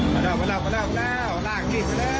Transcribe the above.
ขอบคุณครับ